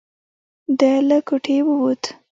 ده له کوټې ووت.